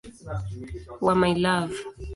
wa "My Love".